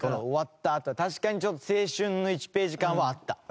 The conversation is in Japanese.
終わったあと確かにちょっと青春の１ページ感はあった。